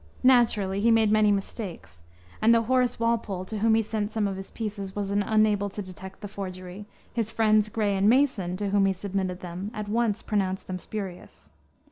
Naturally he made many mistakes, and though Horace Walpole, to whom he sent some of his pieces, was unable to detect the forgery, his friends, Gray and Mason, to whom he submitted them, at once pronounced them spurious.